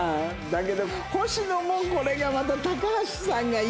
だけど星野もこれがまた高橋さんがいいという。